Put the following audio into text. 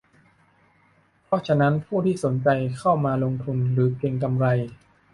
เพราะฉะนั้นผู้ที่สนใจเข้ามาลงทุนหรือเก็งกำไร